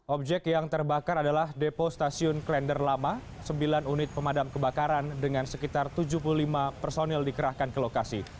objek yang terbakar adalah depo stasiun klender lama sembilan unit pemadam kebakaran dengan sekitar tujuh puluh lima personil dikerahkan ke lokasi